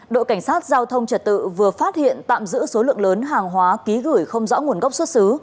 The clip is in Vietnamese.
đội cảnh sát giao thông trật tự vừa phát hiện tạm giữ số lượng lớn hàng hóa ký gửi không rõ nguồn gốc xuất xứ